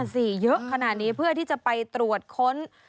เยอะขนาดนี้เพื่อที่จะไปตรวจค้น